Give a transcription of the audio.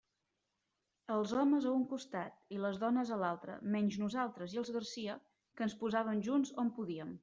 Els homes a un costat i les dones a l'altre, menys nosaltres i els Garcia, que ens posàvem junts on podíem.